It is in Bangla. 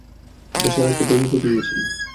দেশের একটা দেবীপ্রতিমা চাই।